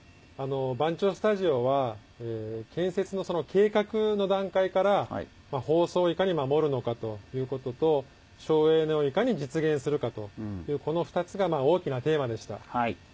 あの番町スタジオは建設の計画の段階から放送をいかに守るのかということと省エネをいかに実現するかというこの２つが大きなテーマでした。